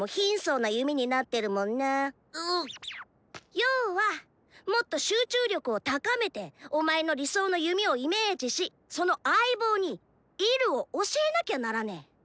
要はもっと集中力を高めてお前の理想の弓をイメージしその相棒に「射る」を教えなきゃならねぇ。